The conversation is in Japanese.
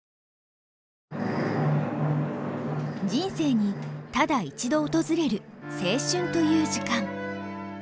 人生にただ一度訪れる青春という時間。